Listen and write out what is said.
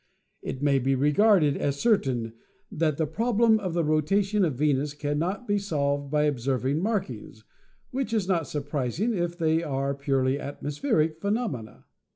It may be regarded as certain that the problem of the rotation of Venus cannot be solved by observing markings, which is not surprising if they are purely atmospheric phenomena.